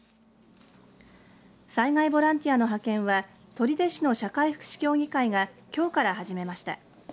災害ボランティアの派遣は取手市の社会福祉協議会がきょうから始めました。